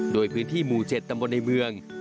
โดยพื้นที่หมู่๗ตำบลในเมือง